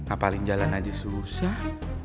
apalagi jalan aja susah